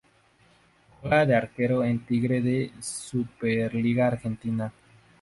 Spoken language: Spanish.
Juega de arquero en Tigre de la Superliga Argentina.